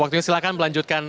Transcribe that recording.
waktunya silakan melanjutkan